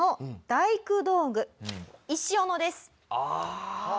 ああ！